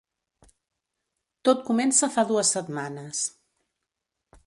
Tot comença fa dues setmanes.